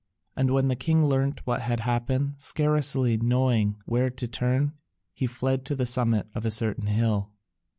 And when the king learnt what had happened, scarcely knowing where to turn, he fled to the summit of a certain hill.